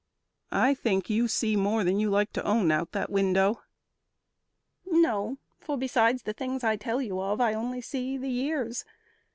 "I think you see More than you like to own to out that window." "No; for besides the things I tell you of, I only see the years.